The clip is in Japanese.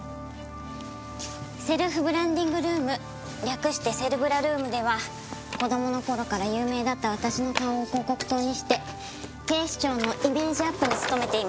セルフブランディングルーム略してセルブラルームでは子供の頃から有名だった私の顔を広告塔にして警視庁のイメージアップに務めています。